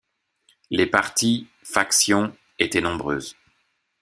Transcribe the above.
Les partis, factions, étaient nombreuses.